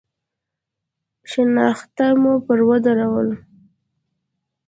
شنخته مو پر ودروله.